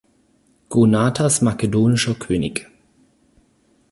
Gonatas makedonischer König.